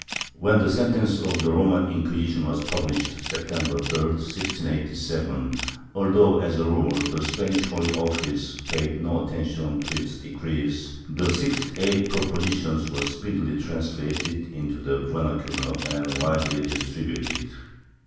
^ When the sentence of the Roman Inquisition was published, September 3, 1687, although as a rule the Spanish Holy Office paid no attention to its decrees, the sixty eight propositions were speedily translatetl into the vernacular and widely distributed.